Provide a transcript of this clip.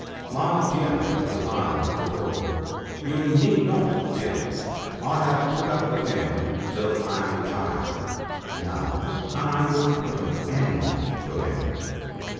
" My dear," replied the Crow, " you need not fear ; I have put up with him till I am tired. Now I will put an end to him."